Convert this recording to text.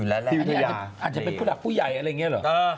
อาจจะเป็นผู้หลักผู้ใหญ่อะไรอย่างเงี้ยหรอ